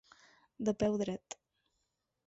De peu dret.